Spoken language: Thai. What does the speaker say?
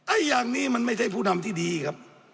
อย่างนี้มันไม่ใช่ผู้นำที่ดีครับ